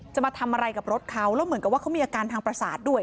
จะมาทำอะไรกับรถเขาแล้วเหมือนกับว่าเขามีอาการทางประสาทด้วย